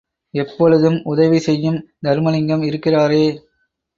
எப்பொழுதும் உதவி செய்யும் தருமலிங்கம் இருக்கிறாரே?